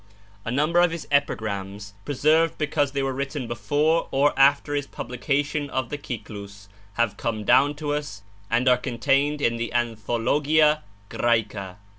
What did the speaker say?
A number of his epigrams, preserved because they were written before or after his publication of the 'Cyclus,' have come down to us and are contained in the 'Anthologia Graeca.'